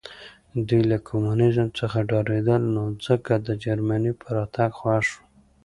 دوی له کمونیزم څخه ډارېدل نو ځکه د جرمني په راتګ خوښ وو